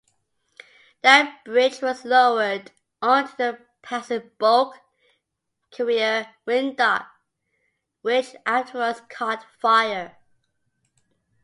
That bridge was lowered onto the passing bulk carrier "Windoc", which afterwards caught fire.